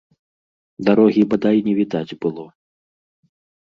Дарогі бадай не відаць было.